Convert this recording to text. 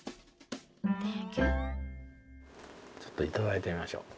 ちょっと頂いてみましょう。